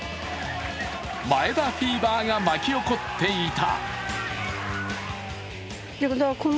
前田フィーバーが巻き起こっていた。